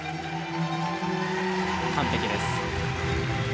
完璧です。